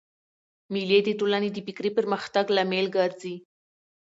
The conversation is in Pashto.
مېلې د ټولني د فکري پرمختګ لامل ګرځي.